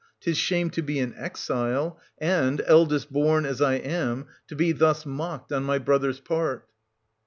'Tis shame to be an exile, and, eldest born as I am, to be thus mocked on my brother's part.